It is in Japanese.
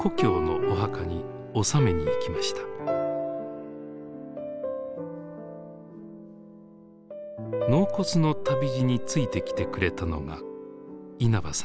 納骨の旅路についてきてくれたのが稲葉さんでした。